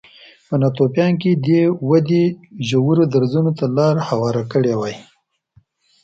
په ناتوفیان کې دې ودې ژورو درزونو ته لار هواره کړې وای